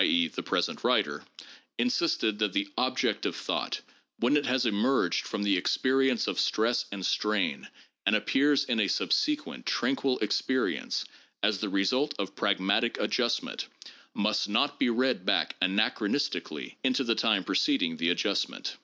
e., the present writer] insisted that the object of thought, when it has emerged from the experience of stress and strain and appears in a subsequent tranquil experience as the result of pragmatic adjustment, must not be read back anachronistically into the time preceding the adjustment.